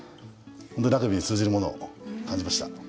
ラグビーに通じるものを感じました。